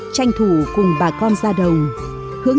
tranh thủ cùng bà con ra đồng